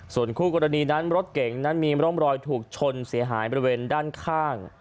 ส่วนคู่กรณีนั้นรถเก่งนั้นมีร่องรอยถูกชนเสียหายบริเวณด้านข้าง